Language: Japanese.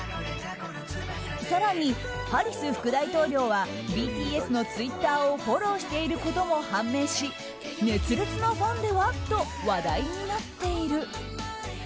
更に、ハリス副大統領はＢＴＳのツイッターをフォローしていることも判明し熱烈なファンでは？と話題になっている。